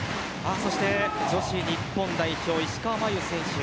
そして女子日本代表石川真佑選手